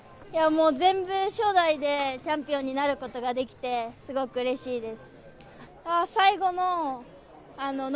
初代でチャンピオンになることができて、すごくうれしいです。